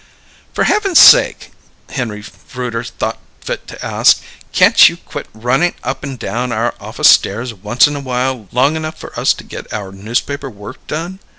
"For Heaven's sake!" Henry Rooter thought fit to add. "Can't you quit runnin' up and down our office stairs once in a while, long enough for us to get our newspaper work done?